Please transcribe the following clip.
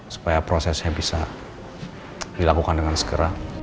supaya prosesnya bisa dilakukan dengan segera